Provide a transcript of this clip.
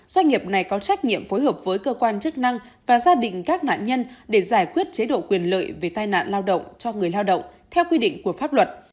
doanh nghiệp này có trách nhiệm phối hợp với cơ quan chức năng và gia đình các nạn nhân để giải quyết chế độ quyền lợi về tai nạn lao động cho người lao động theo quy định của pháp luật